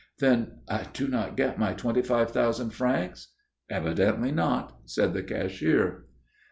"Then I do not get my twenty five thousand francs?" "Evidently not," said the cashier.